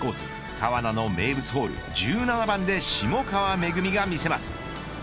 川奈の名物ホール１７番で下川めぐみが見せます。